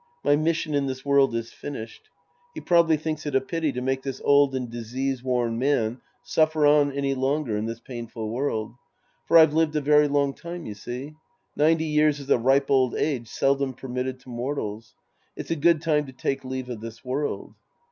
My mission in this world is finished. He probably thinks it a pity to make this old and disease worn man suffer on any longer in this painful world. For I've lived a very long time, you see. Ninety years is a ripe old age seldom permitted to mortals. It's a good time to take leave of this world.